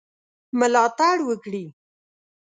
ملاتړ وکړي.